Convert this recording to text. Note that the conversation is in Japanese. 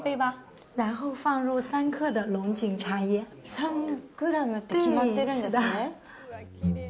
３グラムって決まってるんですね？